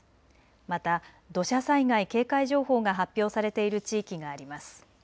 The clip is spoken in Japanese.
また土砂災害警戒情報が発表されている地域があります。